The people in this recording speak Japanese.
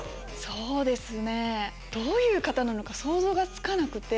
そうですねどういう方か想像がつかなくて。